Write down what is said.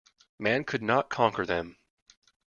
Man could not conquer them.